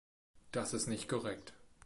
Das ist nicht korrekt.